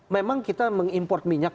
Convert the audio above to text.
memang kita mengimport minyak